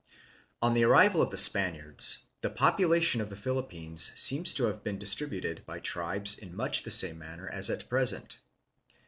On the arrival of the Spaniards, the population of the Philippines seems to have been dis tributed by tribes in much the same manner as at present.